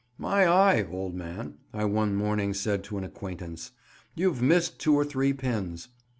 "My eye, old man," I one morning said to an acquaintance, "you've missed two or three pins."